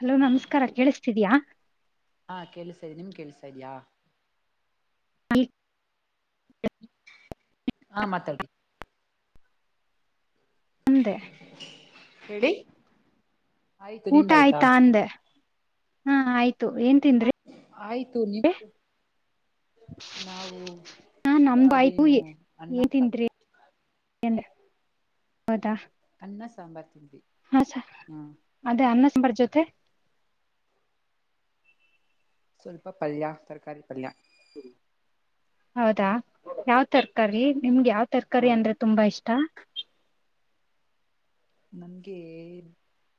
Hello, ನಮಸ್ಕಾರ ಕೇಳಿಸ್ತಿದಯಾ.. ಹಾ, ಕೇಳ್ಸಿತಿದೆ ನಿಮ್ ಗಕೇಳ್ಸಿತಿದೀಯಾ... - ಅಲ್ಲಿ [inaudible] ಹಾ, ಮಾತಾಡ್ ಮುಂದೇ, ಹೇಳಿ [inaudible] ಊಟ ಆಯ್ತಾ ಅಂದೆ ಹಾ ಆಯ್ತು ಏನ್ ತಿಂದ್ರಿ ಆಯ್ತು ನಿವು ನಾವು ಹಾ ನಮ್ದು ಆಯ್ತು ಅದೇನು ಏನ್ ಅನ್ನ ತಂದ ತಿಂದ್ರಿ ಹೌದಾ ಅನ್ನ ಸಾಂಬಾರ್ ತಿಂಡಿ ಹ್ಮ್ ಮರ್ಜತ್ತೆ ಸ್ವಲ್ಪ ಪಲ್ಯ ತರಕಾರಿ ಪಲ್ಯ ಹೌದಾ ಯಾವ್ ತರಕಾರಿ ನಿಮ್ಗೆ ಯಾವ್ ತರಕಾರಿ ಹೌದು ಅಂದ್ರೆ ತುಂಬಾ ಇಷ್ಟ ನನ್ಗೆ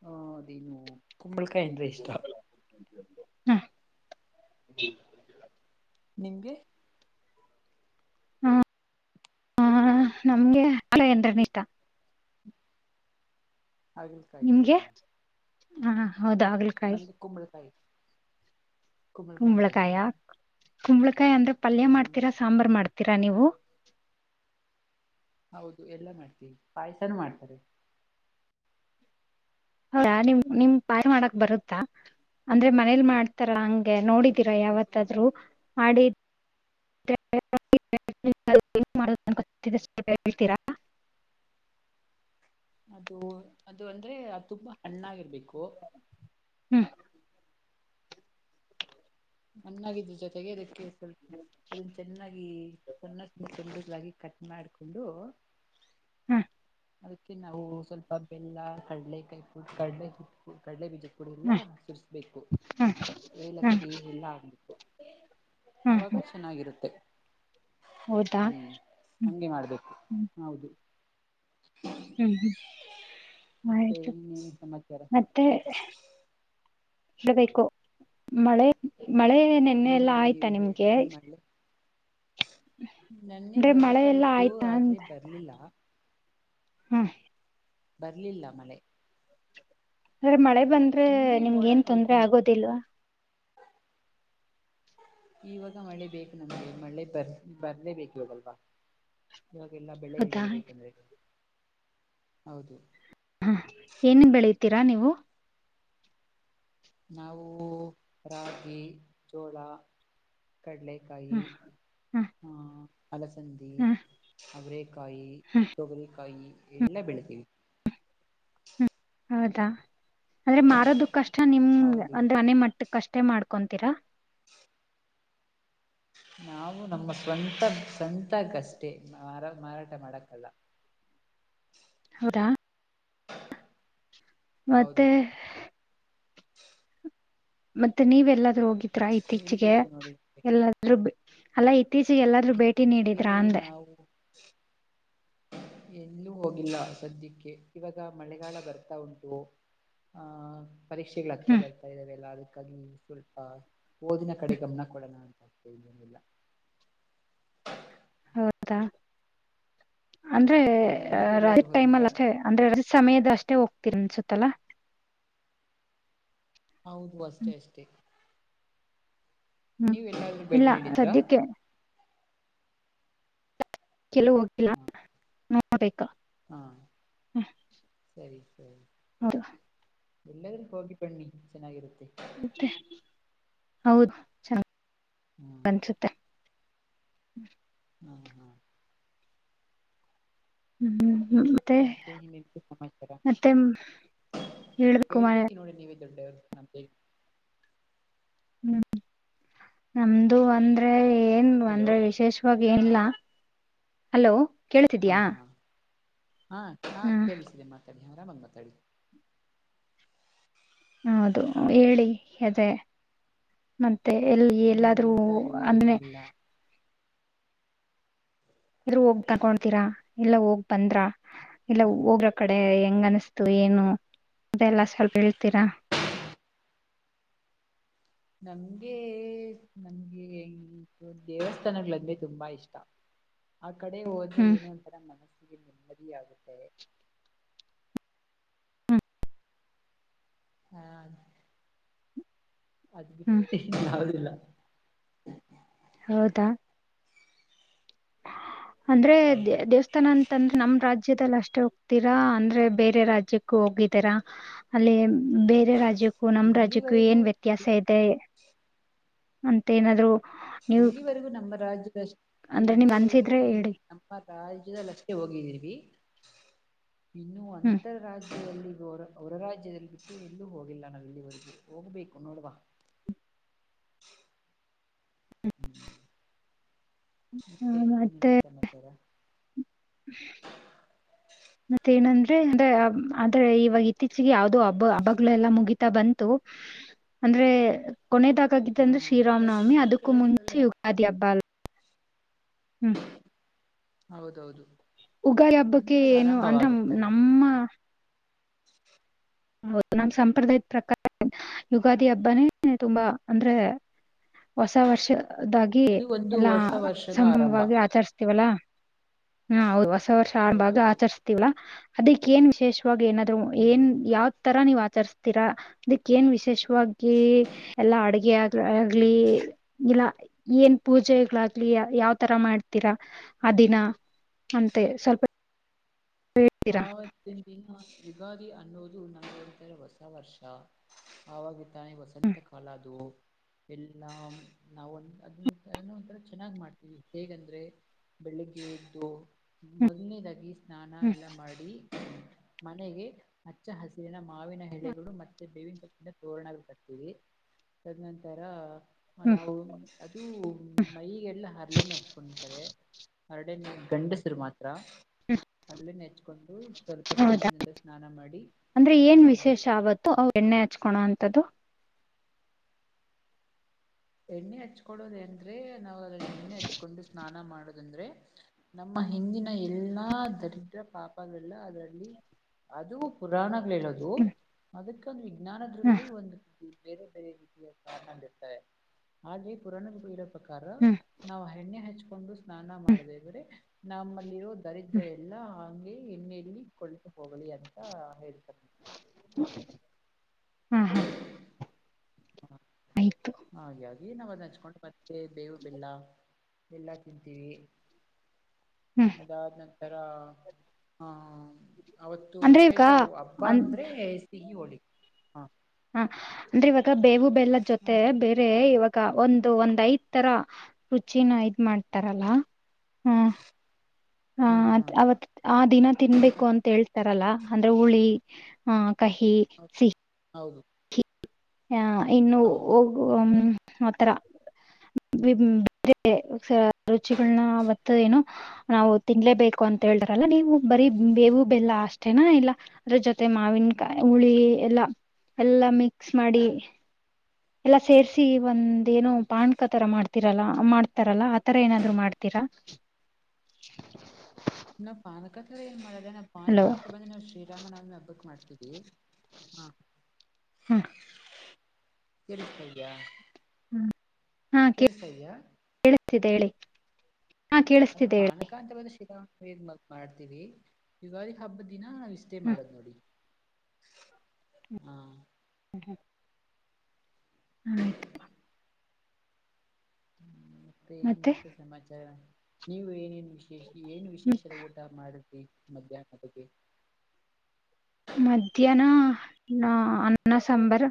ಅ ಅದೇನು ಕುಂಬಳಕಾಯಿ ಅಂದ್ರೆ ಇಷ್ಟ ಹಾ ನಿಂಗ ಹಾ ಹ ನಮ್ಗೆ ಅಲ್ಲ ಎಂದ್ರನ ಇಷ್ಟ ಹಾಗಗಲ್ತಾಯತಾ ನಿಮ್ಗೆ ಹ ಹೌದಾ ಹಾಗಲಕಾಯಿ ಮೆ ಕುಂಬಳಕಾಯ ಕಮಿಳಕಾಯಂತ ಇಷ್ಟ ಕುಂಬಳಕಾಯ ಕುಂಬಳಕಾಯಿ ಅಂದ್ರೆ ಪಲ್ಯ ಹ್ಮ್ ಮಾಡ್ತೀರಾ ಸಾಂಬಾರ್ ಮಾಡ್ತೀರಾ ನೀವು ಹೌದು ಎಲ್ಲ ಮಾಡ್ತೀವಿ ಪಾಯಸನ ಮಾಡ್ತಾರೆ ಹೌದಾ ನಿಮ ನಿಮ ಪಾರ್ ಮಾಡಕ್ ಬರುತ್ತಾ ಅಂದ್ರೆ ಮನೇಲಿ ಮಾಡ್ತಾರ ಹಂಗ ಹಾಗಗೆ ನೋಡಿದೀರ ಯಾವತ್ತಾದ್ೂ ಮಾಡಿ ಹೇಳ್ತೀರಾ ಅದು ಅದು ಅಂದ್ರೆ ಅದು ತುಂಬಾ ಹಣ್ಣಾಗಿರ್ಬೇಕು ಹ್ಮ್ ಚೆನ್ನಾಗಿದ್ರ ಜೊತೆಗೆದಕ್ಕೆ ಸ್ವಲ್ಪ ಅದನ್ನ ಚೆನ್ನಾಗಿ ಸಣ್ಣೆಲಾಗಿ ಕಟ್ ಮಾಡಿಕೊಂಡು ಹ್ಮ ಅದಕ್ಕೆ ನಾವು ಸ್ವಲ್ಪ ಬೆಲ್ಲ ಕಡಲೆ ಕಾಯ ಕಡಲೆ ಕಡಲೆ ಬೀಜ ಕೂಡೆ ಎಲ್ಲ ಹ್ಮ್ ಸುರಿಸ್ಬೇಕು ಹ್ಮ್ ಹ್ಮ್ ಏಲಕ್ಕಿ ಎಲ್ಲ ಆಗ್ಬೇಕು ಹ್ಮ್ ಅವಾಗ ಹ್ಮ್ ಚೆನ್ನಾಗಿರುತ್ತೆ ಹೌದಾ ಹ್ಮ್ ಹ್ಮ್ ಹಗೆ ಮಾಡ್ಬೇಕು ಹ್ಮ್ ಹೌದು ಹ್ಮ್ ಹ್ಮ್ ಮತ್ತೆ ಆಯ್ತು ಇನ್ನೇನು ಸಮಾಚಾರ ಮತ್ತೆ ಇಡಬೇಕು ಮಳೆ ಮಳೆ ನೆನ್ನೆ ಎಲ್ಲ ಏನಿದೆ ಆಯ್ತಾ ನೀವೇ ನಿಮ್ಗೆ ಹೇಳಿ ಮಾಡ್ಲೆ ನನ್ನೆ ಅಂದ್ರೆ ಮಳೆ ಎಲ್ಲಾ ಬರುತಾಾಯ್ತತ್ತು ಆಯ್ತಾ ಆದ್ರೆ ಬರ್ಲಿಲ್ಲ ಹಾ ಬರ್ಲಿಲ್ಲ ಮಳೆ ಅ್ರೆ ಮಳೆ ಬಂದ್ರೆ ಸುಮ್ನೆ ನಿಮ್ಗೆ ಮೋಡ ಏನ್ ತೊಂದ್ರೆ ಕೊಯ್ಕೊಂಡಿತ್ತು ಆಗೋದಿಲ್ವಾ ಇವಾಗ ಮಳೆ ಬೇಕು ನಮಗೆ ಮಳೆ ಬರ್ ಬರ್ಲೇ ಬೇಕ ಇವಾಗಲ್ವಾ ಇವಾಗಲ್ಲ ಬೆಳ ಹೌದಾ ಬೆಳಿಬೇಕಂದ್ರೆ ಹೌದು ೀರಾ ನೀವು ನಾವು ರಾಗಿ ಜೋಳ ಕಡಲೆಕಾಯಿ ಹ್ಮ್ ಹ್ಮ್ ಹಾ ಅಲಸಂದಿ ಹ್ಮ್ ಅಬ್ರೇಕಾಯಿ ಹ್ಮ್ ತೊಬರಿಕಾಯಿ ಎಲ್ಲ ಬೆಳತೀವಿ ಹ್ಮ್ ಹೌದಾ ಅಂದ್ರೆ ಮಾರೋದು ಕಷ್ಟ ನಿಮ ಹೌದು ಅಂದ್ರೆ ಮನೆ ಮಟ್ಟ ಕಷ್ಟೇ ಮಾಡ್ಕೊತೀರಾ ನಾವು ನಮ್ಮ ಸ್ವಂತ ಸ್ವಂತಕ್ಕಷ್ಟೇ ಮಾರಾ ಮಾರಾಟ ಮಾಡಕ್ಕಲ್ಲ ಹೌದಾ ಮತ್ತೆ ಹೌದು ಮತ್ತೆ ನೀವೆ ಎಲ್ಲಾದ್ೂ ಹೋಗಿದ್ರಾ ಇತ್ತೀಚಿಗೆ ಹೇಳ್ಬೇಕು ನೋಡಿ ಎಲ್ಲಾದ್ರೂ ಅಲ್ಲ ಇತ್ತೀಚಿಗೆ ಎಲ್ಲ ೂ ಭೇಟಿ ಇತ್ತೀಚೆಗೆ ನೀಡಿದ್ರಾ ಅಂದೆ ನಾವು ಎಲ್ಲೂ ಹೋಗಿಲ್ಲ ಸದ್ಯಕ್ಕೆ ಇವಾಗ ಮಳೆಗಾಲ ಬರ್ತಾ ಉಂಟು ಆಹ್ ಪರೀಕ್ಷೆಗಳ ಹತ್ರ ಹ್ಮ್ ಬರ್ತಾ ಇದಾವ ಎಲ್ಲೂ ಹಾಗಾಗಿ ಸ್ವಲ್ಪ ಓದಿನ ಕಡೆ ಗಮನ ಕೊಡೋಣ ಅಂತ್ತ ಇದೇನಿಲ್ಲ ಹೌದಾ ಅಂದ್ರೆ ನೀವ್ ರ ಎಲ್ಲಾದ್ರೂ ಟೈಮ್ ಅಲ್ ಹೋಗಿದ್ರಾ ಅಷ್ಟೆ ಅಂದ್ರೆ ರ ಸಮಯದಷ್ಟೆ ಮೆ ಹೋಗ್ತೀರ ಅನ್ಸುತ್ತಲಾ ಹೌದು ಬಷ್ಟೆ ಹ್ಮ್ ಅಷ್ಟೇ ಹ್ಮ್ ನೀವ್ ಎಲ್ಲಾದ್ರೂ ಭೇಟಿ ಇಲ್ಲ ನೀಡಿದ್ರಾ ಸದ್ಯಕ್ಕೆ ಕೆಲವ ಹೋಗ್ಲ್ಲ ಹ ನೋಬೇಕಾ ಹಾ ಸರಿ ಸರಿ ಹೌದು ಎಲ್ಲಾದ್ರೂ ಹೋಗಿ ಬಣ್ಣಿ ಚೆನ್ನಾಗಿರುತ್ತೆ ಮತ್ತೆ ಹೌದು ಚ ಹಾ ಅನ್ಸುತ್ತೆ ಹ್ಮ ಹಾ ಹಾ ಹ್ಮ್ ಹ್ಮ್ ಮೆ ಎಂತ ಸಮಾಚಾರ ಮತ್ತೆ ಹೇಳ್ಬೇಕು ಹೇಳ್ಬೇಕಿ ಹ್ಮ್ ನೋಡಿ ನೀವ ಇ ನಂತ ಹ್ಮ್ ನಮ್ದು ಅಂದ್ರೆ ಏನ್ ಹಲೋ ಅಂದ್ರೆ ವಿಶೇಷವಾಗಿ ಏನಲ್ಲ ಹಲೋ ಹಾ ಕೇೇಳತಿದಯಾ ಹಾ ಹಾ ಹಾ ಕೇಳಿಸಿದೆ ಮಾತಾಡಿ ಹರಾಮಂಗ ಮಾತಾಡಿ ಹೌದು ಹೇಳಿ ಅದೆ ಮತ್ ಮತ್ತ ಎಲ್ಲಿ ಇನ್ ಎಲ್ಲಾದ್ರೂ ಇಂತದ್ದು ಏನು ಅಂದೆ ಇಲ್ಲ ಎರು ಹೋಗ ತಕೊತೀರಾ ಎಲ್ಲ ಹೋಗ್ ಬಂದ್ರ ಇಲ್ಲ ಹ ಹೋಗ್ರ ಕಡೆ ಹೆಂಗ್ ಹಾ ಅನಿಸ್ತು ಏನು ಅದೆಲ್ಲ ಸ್ವಲ್ಪ ಹೇಳ್ತೀರಾ ನಂಗೆ ನಮ್ಗೆ ಹೆ ದೇವಸ್ಥಾನಗಳಂದ್ರೆ ತುಂಬಾ ಇಷ್ಟ ಆ ಕಡೆ ಹೋದ್ರೆ ಹ್ಮ್ ಏನು ಅಂತರ ಮನಸ್ಸಿಗೆ ನೆಮ್ಮದಿಯಾಗುತ್ತೆ ಹಾ ಅದ್ ಬಿಟ್ಟ ಹ್ಮ್ ಯಾದಿಲ್ಲ ಹೌದಾ ಅಂದ್ರೆ ಹೌದು ದೇ ದೇವಸ್ಥಾನ ಅಂತಂದ್ರೆ ನಮ್ ರಾಜ್ಯ ರಾಜ್ಯದಲ್ಲಿ ಅಷ್ಟೇ ಹೋಗ್ತೀರಾ ಅಂದ್ರೆ ಬೇರೆ ರಾಜ್ಯಕ್ಕೂ ಹೋಗಿದ್ದೀರಾ ಅಲ್ಲಿ ಬೇರೆ ರಾಜ್ಯಕ್ಕೂ ನಮ ರಾಜ್ಯಕ್ಕೂ ಇಲ್ಲಿವರೆಗೂ ಏನ್ ವ್ಯತ್ಯಾಸ ಇದೆ ಅಂತ ಏನಾದ್ರು ನೀವು ಇಲ್ಲಿವರೆಗೂ ನಮ್ಮ ರಾಜ್ಯದಷ್ಟ ಅಂದ್ರೆ ನಿಮ್ಗ್ ಇಲ್ಲಿವರೆಗೂ ಅನ್ಸಿದ್ರೆ ಈ ಹೇಳಿ ನಮ್ಮ ರಾಜ್ಯದಲ್ಲಷ್ಟೇ ಹೋಗಿದಿರ್ವಿ ಇನ್ನು ಹ್ಮ್ ಅಂತರ ರಾಜ್ಯ ಅವರ ಹೊರ ರಾಜ್ಯದಲ್ಲಿ ಬಿಟ್ಟು ಎಲ್ಲೂ ಹೋಗಿಲ್ಲ ನಾವ್ ಇಲ್ಲಿವರೆಗೂ ಹೋಗ್ಬೇಕು ನೋಡವಾ ಮೇ ಎಂತ ಕರ್ಮಚಾರ [inaudible] ಮತ್ತೇನಂದ್ರೆ ಅಂದ್ರ ಆದ್ರೆ ಇವಾಗ ಇತ್ತೀಚಿಗೆ ಯಾವ್ದೋ ಹಬ್ಬ ಹಬ್ಗ್ಲು ಎಲ್ಲಾ ಮುಗೀಿತಾ ಬಂತು ಅಂದ್ರೆ ಕೊನದಾಗಾಗಿತ್ತು ಹಾ ಅಂದ್ರೆ ಶ್ರೀರಾಮ್ ಇವಾಗ ನವಮಿ ಇನ್ನು ಅದಕ್ಕೂ ಕೆಲವೇ ಮುಂಚೆ ದಿನಗಳಲ್ಲಿ ಯುಗಾದಿ ಹಬ್ಬಲ್ ಹ್ಮ್ ಹೌದೌದು ಯುಗಾದಿ ಅಂದ್ರೆ ಹಬ್ಬಕ್ಕೆ ಇವಾಗ ಏನು ಅಂದ್ರ ಆರಂಭವಾಗುತ್ತಲ್ಲ ನಮ್ಮ ಹೌದು ನಮ್ಮ್ ಸಂಪ್ರದಾಯದ ಪ್ರಕಾರ ಯುಗಾದಿ ಹಬ್ಬನೇ ತುಂಬಾ ಅಂದ್ರೆ ಹೊಸ ವರ್ಷದಾಗಿ ಅದು ಒಂದು ಎಲ್ಲಾ ಹೊಸ ವರ್ಷದ ಆರಂಭ ಸಂಭಮವಾಗಿ ಆಚರಿಸಸ್ವಲ್ಲಾ ಹಾ ಹೌದು ವರ್ಷ ಆರಂಭ ಹೌದೌದು ಆಚರಿಸ್ತಿವಲ್ಲ ಅದಕ್ಕ ಏನ್ ವಿಶೇಷವಾಗಿ ಏನಾದ್ರು ಹ್ಮ್ ಏನ್ ಯಾವ ತರ ನೀವ್ ಆಚರಿಸ್ತೀರಾ ಅದಕ್ಕ ಏನ್ ವಿಶೇಷವಾಗಿ ಎಲ್ಲಾ ಅಡಗೆ ಆ ಆಗ್ಲಿ ಇಲ್ಲ ಏನ್ ಪೂಜೆಗಳಾಗ್ಲಿ ಯಾವ ತರ ಮಾಡ್ತೀರಾ ಅ ದಿನ ಅಂತೆ ಸ್ವಲ್ಪ ಹೇಳ್ತೀರಾ ಹೌದ ಯುಗಾದಿ ಅನ್ನೋದು ನಾ ಹೇಳ್ತಾರೆ ಹೊಸ ವರ್ಷ ಆವಾಗಿ ತಾನೆ ವಸಂತ ಕಾಲ ಅದು ಎಲ್ಲಾ ನಾವ ಒಂದ ಅದ ಅದನ್ನ ಒಥರ ಚೆನ್ನಾಗ್ ಮಾಡ್ತೀವಿ ಹೇಗಂದ್ರೆ ಬೆಳಿಗ್ಗೆ ಎದ್ದು ಮೊದಲನೇದಾಗಿ ಸ್ನಾನ ಹ್ಮ್ ಎಲ್ಲಾ ಮಾಡಿ ಮನೆಗೆ ಹಚ್ಚ ಹಸಿರಿನ ಮಾವಿನ ಎಳೆಗಳು ಮತ್ತೆ ಬೇವಿನ ಕಪ್ಪಿಂದ ತೋರಣ ಕತೀವಿ ತದನಂತರ ಹ ಹ್ಮ್ ನಾವು ಅದುೂ ಮೈಗೆಲ್ಲ ಹರ್ಲೆನೆ ಹಚ್ಕೊಂಡರ್ತವೆ ಹರಳಿನ ಗಂಡಸರು ಮಾತ್ರ ಹರಳಿನ ಹೆಚ್ಚು ಕೊಂಡು ಸ್ವಲ್ಪ ಹೌದಾ ಸಮಯದಿಂದ ಸ್ನಾನ ಮಾಡಿ ಅಂದ್ರೆ ಏನ್ ಹೌದು ತದು ಎಣ್ಣೆ ಹಚ್ಕಡೋದ ಅಂದ್ರೆ ನಾವು ಅದ ಎಣ್ಣೆ ಹಚ್ಕೊಂಡು ಸ್ನಾನ ಮಾಡುದ ಅಂದ್ರೆ ನಮ್ಮ ಹಿಂದಿನ ಎಲ್ಲಾ ದರಿದ್ರ ಪಾಪಗಳಲ್ಲ ಅದರಲ್ಲಿ ಅದು ಪುರಾಣಗಳು ಹೇಳ ಹೇಳೋದು ಹ್ಮ್ ಅದಕ್ಕ ಒಂದು ಹ್ಮ್ ವಿಜ್ಞಾನದ್ರಲ್ಲಿ ಒಂದು ೇ ರೀತಿಯ ಕತ್ತ ಆದರೆ ಪರಾಣ ಪ ಪ್ರಕಾರ ಹ್ಮ್ ಹ್ಮ್ ನಾವು ಎಣ್ಣೆ ಹಚ್ಕೊಂಡು ಸ್ನಾನ ಮಾಡದ ಇದ್ರೆ ನಮ್ಮಲ್ಲಿರೋ ದರಿದ್ರ ಎಲ್ಲಾ ಹಂಗೆ ಎಣ್ಣೆಯಲ್ಲಿ ಕಳ್ತು ಹೋಗಲಿಿ ಅಂತ ಹೇಳ್ತಾರೆ ಹಾ ಹಾ ಹ ಆಯ್ತು ಹಾಗೆ ನಾವ ಅದ ಹಂಚ್ಕೊಂಡು ಮತ್ತೆ ಬೇವು ಬೆಲ್ಲ ಬೆಲ್ಲ ತಿಂತೀವಿ ಹ್ಮ್ ಅದಾದ್ ನಂತರ ಹಾ ಅವತ್ತು ಅಂದ್ರೆ ಈಗ ವಿಶೇಷ ಹಬ್ಬ ಅ ಅಂದ್ರೆ ಸಿಗಿ ಹೋಳಿ ಹಾ ಹ ಅಂದ್ರೆ ಇವಾಗ ಬೇವು ಬೆಲ್ಲದ ಜೊತೆ ಹಾ ಬೇರೆ ಇವ ಗ ಒಂದು ಒಂದ್ ಐದ್ ತರ ರುಚಿನ ಇದ್ ಮಾಡ್ತಾರಲ್ಲ ಹ್ಮ ಹಾ ಅದ ಅವತ್ ಆ ದಿನ ತಿನ್ಬೇಕು ಅಂತ ಹೇಳ್ತ ತರಲ್ಲ ಅಂದ್ರೆ ಹುಳಿ ಆ ಕಹಿ ಸಿಹಿ ಹೌದು ಆ ಇನ್ನು ಹೌದು ಒಬ ಹೌದೌದು ಹ್ಮ್ ಆತರ ಬಿಂ ಬೇರೆ ರುಚಿಗಳನ್ನ ಬರ್ತ್ತದೇನು ನಾವು ತಿನ್ಲೇಬೇಕು ಅಂತ ಹೇಳಿದ್ರಲ್ಲ ನೀವು ಬರೀ ಬೇವು ಬೆಲ್ಲ ಅಷ್ಟೇನಾ ಇಲ್ಲ ಅದ್ರ ಜೊತೆ ಮಾವಿನಕಾಯಿ ಹುಳಿ ಎಲ್ಲಾ ಎಲ್ಲಾ ಮಿಕ್ಸ್ ಮಾಡಿ ಎಲ್ಲಾ ಸೇರ್ಸಿ ಒಂದ ಏನೋ ಪಾಣ್ಕ ತರ ಮಾಡ್ತಿರಲ್ಲ ಮಾಡ್ತಾರಲ್ಲ ಆತರ ಏನಾದ್ರು ಮಾಡ್ತೀರ ಯಾ ನಾವ ಪಾನಕ ತರ ಏನ್ ಮಾಡಲ್ಲಾ ನಾವ ಪಾನಕ ಹಲೋ ಅಂತ ಬಂದ್ರೆ ನಾವು ಶ್ರೀರಾಮನ್ ಅವ್ ಹಬ್ಬಕ್ ಮಾಡ್ತೀವಿ. ಇ ಹಾ. ಹ್ಮ್ ಕೆಳುಸ್ತಯಿದಿಯ ಹಾ ಕೇಳುಸ್ತಯಿದಿಯ ಕೇಳಿಸ್ತಿದೆ ಹೇಳಿ ಹಾ ಅದೇ ಕೇಳಿಸ್ತಿದೆ ಹೇಳಿ ಪಾನಕ ಅಂತ ಶ್ರೀ ರಾಮ [unintelligible] ಮಾಡ್ತೀವಿ ಯುಗಾದಿ ಹಬ್ಬದ ದಿನ ಹಾ ನಾವು ಇಷ್ಟೇ ಹ್ಮ ಮಾಡೋದು ನೋಡಿ ಹಾ ಹು ಹ ಆಯ್ತ. ಹ್ಮ ಮತ್ತೆ ಏನಂತ ಸಮಾಚಾರ ನೀವು ಏನನ್ ವಿಶೇಷ ಏನು ವಿಶೇಷದ ಊಟ ಮಾಡಿದಿ ಮಧ್ಯಾಹ್ನ ಬಗ್ಗೆ ಮಧ್ಯಾಹ್ನ ನಾ ಅನ್ನ ಸಾಂಬರ.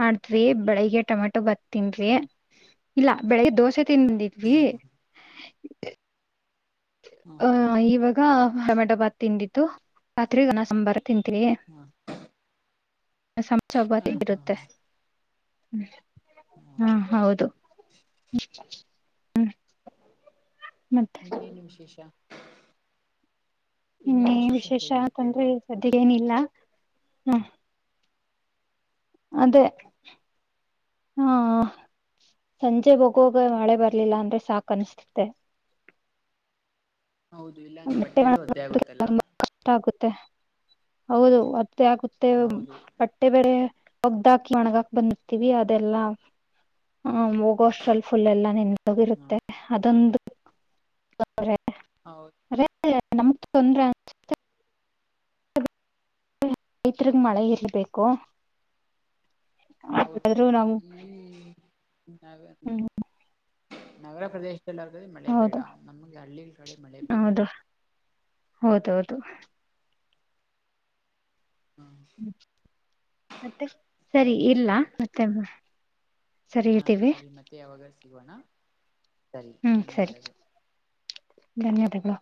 ಮಾಡ್ತ್ರಿ ಬೆಳಿಗ್ಗೆ ಟೊಮೆಟೊ ಬತ್ತ ತಿನ್ರಿ ಹ್ಮ್ ಇಲ್ಲ ಬೆಳಿಗ್ಗೆ ದೋಸೆ ತಿಂದಿದ್ವಿ ಹ್ಮ್ ಹ್ಮ್ ಹ್ಮ್ ಹ್ಮ್ ಹ ಇವಾಗ ಟೊಮೇಟೊಬಾತ ತಿಂದಿತ್ತು ರಾತ್ರಿಗ ಅಣ್ಣ ಸಾಂಬಾರ್ ತಿಂತೀನೀ ಹ್ಮ್ ಸಮ ಹಾ ಚಪಾತಿ ಹಾ ಇರುತ್ತೆ. ಹಾ ಹ್ಮ ಹಾ ಸರಿ ಹೌದು. ಸರಿ ಮತ್ತೆ ಯಿನ್ ಏನ ವಿಶೇಷ. ಇನ್ನೆ ಇನ್ನೇನು ವಿಶೇಷ ಹೇಳಿ ಕೇಳುವ ಅನ್ಕೊಂಡರಿ ಸದ್ಯಗ ಏನಿಲ್ಲ ಹ್ಮ ಅದೇ ಹಾ ಸಂಜೆ ಹೋಗುವಾಗ ಮಳೆ ಬರ್ಲಿಲ್ಲ ಅಂದ್ರೆ ಸಾಕ ಅನಸ್ತತ್ತೆ. ಹೌದು ಇಲ್ಲಾ ಅಂದ್ರೆ ಬಟ್ಟೆ ಎಲ್ಲ ಒದ್ದೆ ಆಗುತ್ತಲ್ಲಾ. ಆಗುತ್ತೆ ಹೌದು ಒದ್ದೆ ಆಗುತ್ತೆ ಹೌದು ಬಟ್ಟೆ ಬೆರೆ ಓಗದಾಕಿ ಒಣಗಾಕ ಬಂದಿರ್ತೀವಿ ಅದೆಲ್ಲಾ ಆ ಹೋಗೋಷ್ಟರಲ್ ಫುಲ್ ಎಲ್ಲ ಹಾ ನಿಂತೋಗಿರುತ್ತೆ ಅದೊಂದು ತೊಂದ್ರೆ ಹೌದು ಆದ್ರೆ ನಮ್ಗ್ ತೊಂದ್ರೆ [unintelligible] [unintelligible] ರೈತರಗೆ ಮಳೆ ಇರ್ಬೇಕು ಹೌದು ಆದ್ರೂ ನಾವು ಹ್ಮ ನ ಹ್ಮ್ ನಗರ ಪ್ರದೇಶ ಮಳೆ ಬೇಡ ಹೌದು ನಮ್ಗೆ ಹಳ್ಳಿ ಕಡೆ ಮಳೆ ಬೇಕು. ಹೌದೌಹೌದು ಹಾ ಹ್ಮ ಮತ್ತೆ ಸರಿ ಇಲ್ಲ ಮತ್ತೆ ಸರಿ ಹಾ ಇಡ್ತೀವಿ ಸರಿ ಮತ್ತೆ ಯಾವಾಗರ ಸಿಗೋಣ ಸರಿ ಹ್ಮ್ ಸರಿ ಧನ್ಯವಾದಗಳು ಧನ್ಯವಾದಗಳು